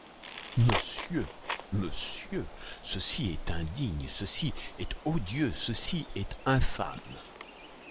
Monsieur, monsieur, ceci est indigne, ceci est odieux, ceci est infâme.